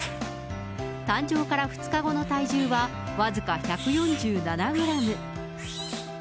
誕生から２日後の体重は、僅か１４７グラム。